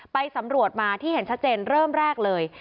ไปสำรวจมาที่เห็นชัดเจนเริ่มแรกเลย